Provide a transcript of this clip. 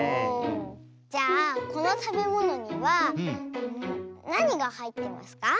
じゃあこのたべものにはなにがはいってますか？